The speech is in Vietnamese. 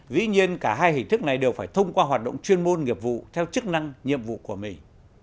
dĩ nhiên cả hai hình thức này đều phải thông qua hoạt động chuyên môn nghiệp vụ theo chức năng nhiệm vụ của mình